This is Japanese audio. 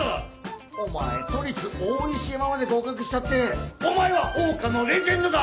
お前都立大石山まで合格しちゃってお前は桜花のレジェンドだ！